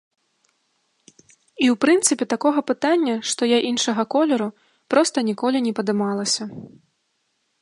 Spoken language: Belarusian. І, у прынцыпе, такога пытання, што я іншага колеру, проста ніколі не падымалася.